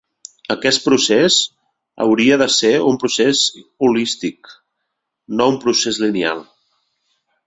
Aquest procés hauria de ser un procés holístic, no un procés lineal.